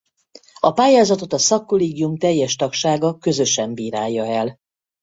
A pályázatot a szakkollégium teljes tagsága közösen bírálja el.